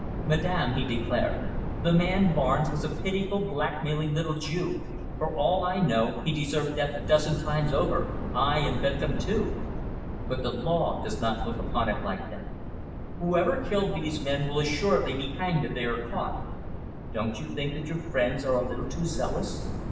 "Madame," he declared, "the man Barnes was a pitiful blackmailing little Jew! For all I know, he deserved death a dozen times over ay, and Bentham too! But the law does not look upon it like that. Whoever killed these men will assuredly be hanged if they are caught. Don't you think that your friends are a little too zealous?"